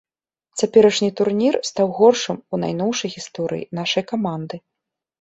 Цяперашні турнір стаў горшым у найноўшай гісторыі нашай каманды.